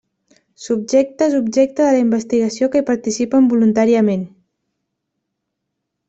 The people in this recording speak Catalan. Subjectes objecte de la investigació que hi participen voluntàriament.